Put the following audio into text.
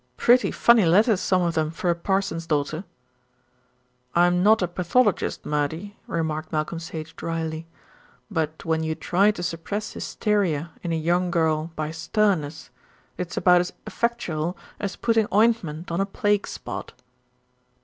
"Pretty funny letters some of them for a parson's daughter." "I'm not a pathologist, Murdy," remarked Malcolm Sage drily, "but when you try to suppress hysteria in a young girl by sternness, it's about as effectual as putting ointment on a plague spot."